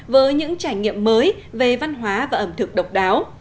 với những trải nghiệm mới về văn hóa và ẩm thực độc đáo